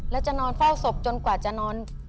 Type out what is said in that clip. แล้วจะนอนเฝ้าศพจนกว่าจะนอน